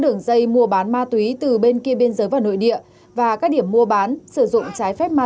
đường dây mua bán ma túy từ bên kia biên giới vào nội địa và các điểm mua bán sử dụng trái phép ma